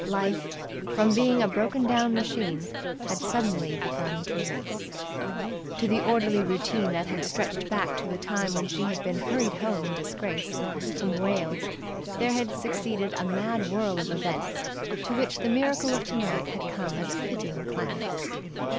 Life, from being a broken down machine, had suddenly begun to race. To the orderly routine that stretched back to the time when she had been hurried home in disgrace from Wales there had succeeded a mad whirl of events, to which the miracle of tonight had come as a fitting climax.